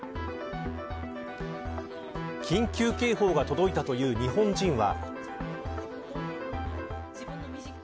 緊急警報が届いたという日本人は。